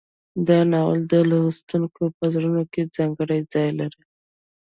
دا ناول د لوستونکو په زړونو کې ځانګړی ځای لري.